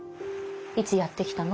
いつやって来たの？